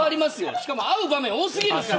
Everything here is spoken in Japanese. しかも会う場面が多過ぎるよ